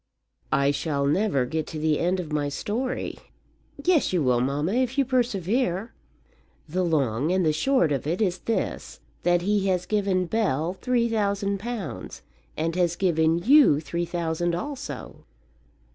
"I shall never get to the end of my story." "Yes, you will, mamma, if you persevere." "The long and the short of it is this, that he has given Bell three thousand pounds, and has given you three thousand also."